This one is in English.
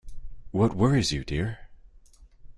What worries you, dear?